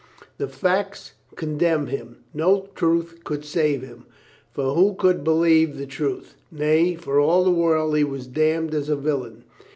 The facts condemned him. No truth could save him, for who could believe the truth ? Nay, for all the world he was damned as a villain.